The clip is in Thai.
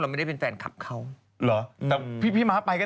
อาจจะต้องติดตามข่าวสารของครูปีชานู่นนี่นั่น